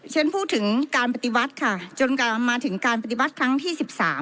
ฉันพูดถึงการปฏิวัติค่ะจนมาถึงการปฏิวัติครั้งที่๑๓